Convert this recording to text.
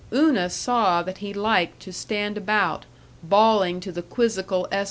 Una saw that he liked to stand about, bawling to the quizzical S.